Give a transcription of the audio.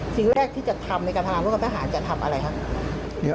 สิ่งแรกที่จะทำในการพลาดวงค์กับอาหารจะทำอะไรคะ